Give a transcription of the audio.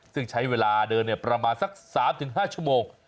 ซึ่งใช้เวลาเดินประมาณสัก๓๕ชั่วโมง